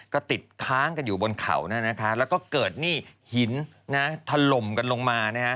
ก็ติดค้างกันอยู่บนเขาแล้วก็เกิดนี่หินถล่มกันลงมา